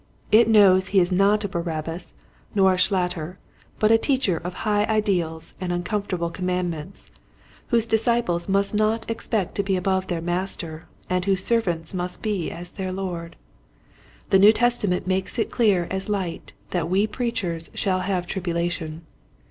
It knows he is not a Barabbas nor a Schlatter, but a teacher of high ideals and uncomfortable commandments, whose disciples must not expect to be above their master and whose servants must be as their Lord. The New Testament makes it clear as light that we preachers shall have tribulation.